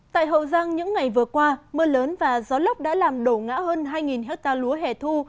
tại hậu giang những ngày vừa qua mưa lớn và gió lốc đã làm đổ ngã hơn hai hecta lúa hẻ thu